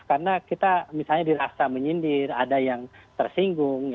karena kita misalnya dirasa menyindir ada yang tersinggung